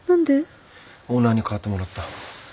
オーナーに代わってもらった。